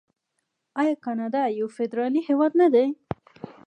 آیا کاناډا یو فدرالي هیواد نه دی؟